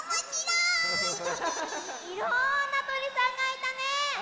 いろんなとりさんがいたね！